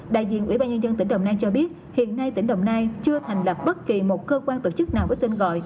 đại diện ủy ban nhân dân tỉnh đồng nai cho biết hiện nay tỉnh đồng nai chưa thành lập bất kỳ một cơ quan tổ chức nào có tên gọi